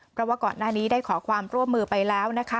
เพราะว่าก่อนหน้านี้ได้ขอความร่วมมือไปแล้วนะคะ